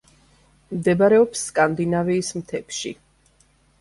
მდებარეობს სკანდინავიის მთებში.